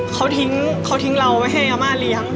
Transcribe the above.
เขาทิ้งเราไม่ให้อาม่าเลี้ยง